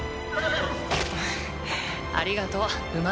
ありがとう馬！